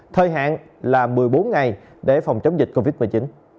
thời hạn là một mươi bốn ngày để phòng chống dịch covid một mươi chín